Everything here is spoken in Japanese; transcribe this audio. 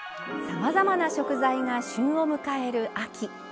さまざまな食材が旬を迎える秋。